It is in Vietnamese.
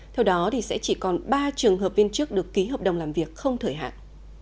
theo đó sẽ chỉ còn ba trường hợp viên chức được ký hợp đồng làm việc không thời hạn